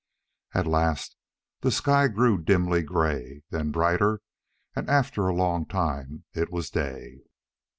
At last the sky grew dimly gray, then brighter, and after a long time it was day.